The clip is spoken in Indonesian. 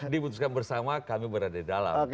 diputuskan bersama kami berada di dalam